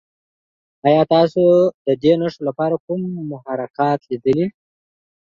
ایا تاسو د دې نښو لپاره کوم محرکات لیدلي؟